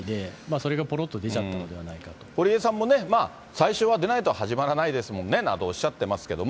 それがぽろっと出ちゃったのでは堀江さんもね、最初は出ないと始まらないですもんねなどと、おっしゃってますけども。